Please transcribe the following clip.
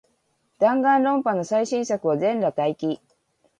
ダンガンロンパの最新作を、全裸待機